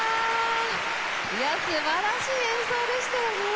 いや素晴らしい演奏でしたよね。